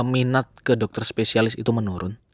minat ke dokter spesialis itu menurun